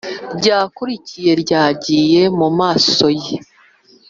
ryakurikiye ryagiye mumaso ye.